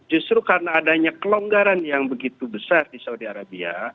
justru karena adanya kelonggaran yang begitu besar di saudi arabia